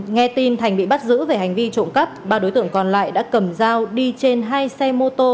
nghe tin thành bị bắt giữ về hành vi trộm cắp ba đối tượng còn lại đã cầm dao đi trên hai xe mô tô